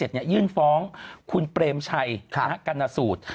ยื่นฟ้องคุณเปรมชัยกรณสูตร